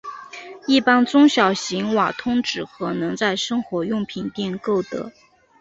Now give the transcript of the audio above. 一般中小型瓦通纸盒能在生活用品店购得。